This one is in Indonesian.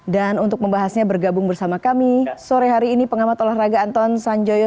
dan untuk membahasnya bergabung bersama kami sore hari ini pengamat olahraga anton sanjoyo